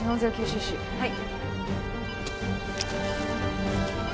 はい。